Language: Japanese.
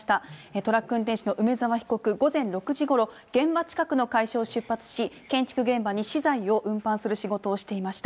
トラック運転手の梅沢被告、午前６時ごろ、現場近くの会社を出発し、建築現場に資材を運搬する仕事をしていました。